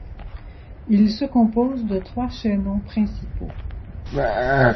Il se compose de trois chaînons principaux.